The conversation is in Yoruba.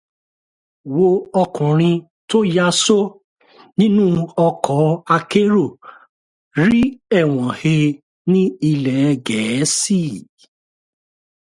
Ọkùnrin tó yasó nínú ọkọ̀ akérò rí ẹ̀wọ̀n he ní ilẹ̀ Gẹ̀ẹ́sí.